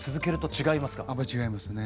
違いますね。